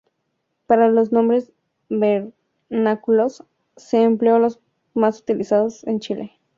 Para los nombres vernáculos, se emplean los más utilizados en Chile.